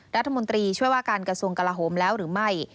รัฐมนตรีช่วยว่าการกระทรวงกลาโหมแล้วหรือไม่